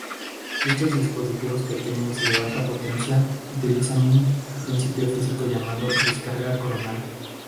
Estos dispositivos pequeños y de baja potencia utilizan un principio físico llamado "descarga coronal".